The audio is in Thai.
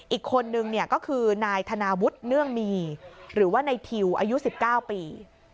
อีกคนนึงก็คือนายธนาวุฒิเนื่องมีหรือว่าในทิวอายุ๑๙ปี